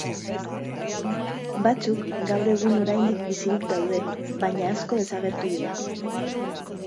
Batzuk gaur egun oraindik bizirik daude baina asko desagertu dira.